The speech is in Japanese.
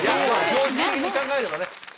常識的に考えればね。